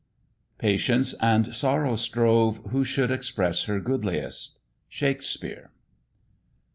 Patience and sorrow strove Who should express her goodliest. SHAKESPEARE.